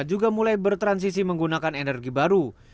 juga mulai bertransisi menggunakan energi baru